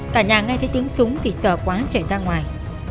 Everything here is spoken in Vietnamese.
tại nhà ngay thấy tiếng súng thì sợ quá chạy ra ngoài